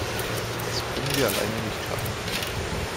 Das können wir alleine nicht schaffen.